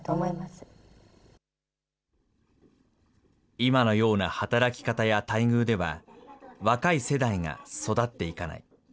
今のような働き方や待遇では若い世代が育っていかない。